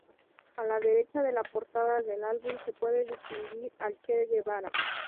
A la derecha de la portada del álbum se puede distinguir al Che Guevara.